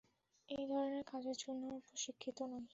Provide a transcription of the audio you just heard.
এই ধরনের কাজের জন্য ও প্রশিক্ষিত নয়।